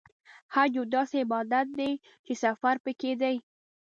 حج یو داسې عبادت دی چې سفر پکې دی.